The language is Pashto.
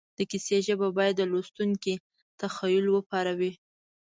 د کیسې ژبه باید د لوستونکي تخیل وپاروي